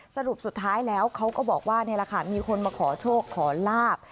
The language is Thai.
สรุปสุดท้ายแล้วเขาก็บอกว่านี่แหละค่ะมีคนมาขอโชคขอลาบ